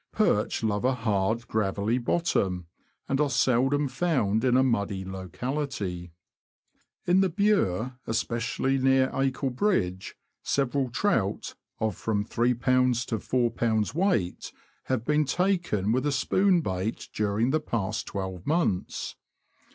Perch love a hard, gravelly bottom, and are seldom found in a muddy locality. In the Bure, especially near Acle Bridge, several trout, of from 31b. to 41b. weight, have been taken with a spoon bait during the past twelve months.